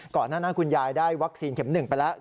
ก่อนหน้านั้นคุณยายได้วัคซีนเข็ม๑ไปแล้ว